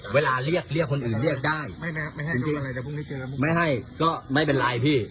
เวลาเรียกเรียกคนอื่นเรียกได้ไม่ให้จริงไม่ให้ก็ไม่เป็นไรพี่